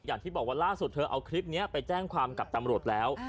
อย่างที่บอกว่าล่าสุดเธอเอาคลิปนี้ไปแจ้งความกับตำรวจแล้ว